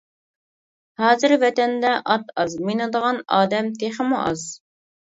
ھازىر ۋەتەندە ئات ئاز، مىنىدىغان ئادەم تېخىمۇ ئاز.